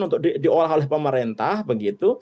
untuk diolah oleh pemerintah begitu